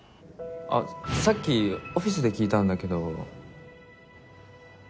あっさっきオフィスで聞いたんだけど。